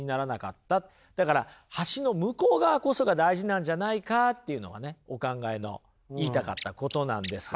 だから橋の向こう側こそが大事なんじゃないかっていうのがねお考えの言いたかったことなんです。